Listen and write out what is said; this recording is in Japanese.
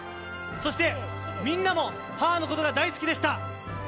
そして、みんなも母のことが大好きでした。